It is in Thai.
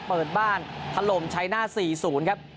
เปิดบ้านถล่มชัยหน้า๔๐ครับ